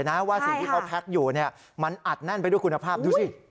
ว่าสิ่งที่เขาแพ็คอยู่มันอัดแน่นไปด้วยคุณภาพดูสิ